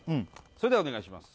それではお願いします